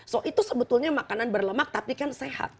so itu sebetulnya makanan berlemak tapi kan sehat